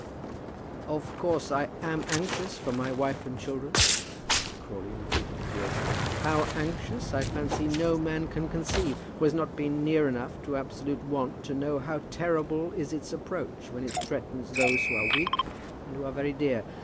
"Of course I am anxious for my wife and children," said Crawley, repeating his words; "how anxious, I fancy no man can conceive who has not been near enough to absolute want to know how terrible is its approach when it threatens those who are weak and who are very dear!